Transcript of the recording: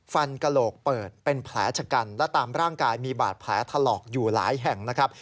กระโหลกเปิดเป็นแผลชะกันและตามร่างกายมีบาดแผลถลอกอยู่หลายแห่งนะครับ